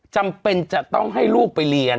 จำเป็นจะต้องให้ลูกไปเรียน